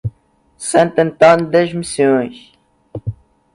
Santo Antônio das Missões